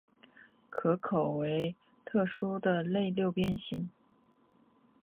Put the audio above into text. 壳口为特殊的类六边形。